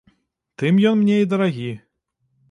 Тым ён мне і дарагі.